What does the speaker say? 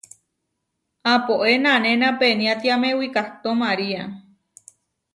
Aapóe nanéna peniátiame wikahtó María.